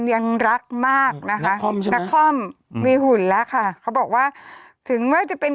ยังรักมากนะคะนักคอมมีหุ่นแล้วค่ะเขาบอกว่าถึงเมื่อจะเป็น